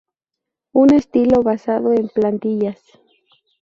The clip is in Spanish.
Un estilo basado en plantillas.